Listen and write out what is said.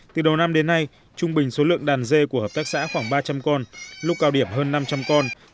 từ đầu năm đến nay trung bình số lượng đàn dê của hợp tác xã khoảng ba trăm linh con lúc cao điểm hơn năm trăm linh con